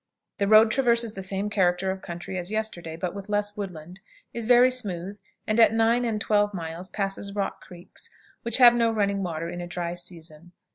The road traverses the same character of country as yesterday, but with less woodland, is very smooth, and at 9 and 12 miles passes "Rock Creeks," which have no running water in a dry season.